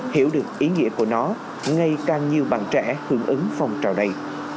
hiểu được ý nghĩa của nó ngay càng nhiều bạn trẻ hưởng ứng phong trào đây